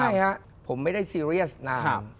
ใช่ครับผมไม่ได้ซีเรียสนาน